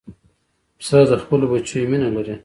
پسه د خپلو بچیو مینه لري.